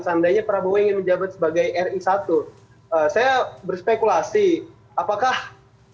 seandainya prabowo ingin menjabat sebagai ri satu saya berspekulasi apakah prabowo selama ini selalu kalah karena banyak dosa dosa masa lalu yang belum dikendalikan